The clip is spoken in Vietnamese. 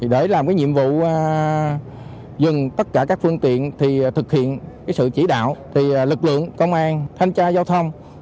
để làm nhiệm vụ dừng tất cả các phương tiện thực hiện sự chỉ đạo lực lượng công an thanh tra giao thông